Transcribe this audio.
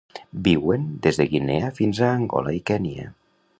Viuen des de Guinea fins a Angola i Kenya.